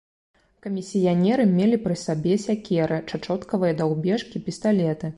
Камісіянеры мелі пры сабе сякеры, чачоткавыя даўбежкі, пісталеты.